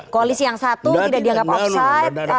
koalisi yang satu tidak dianggap offside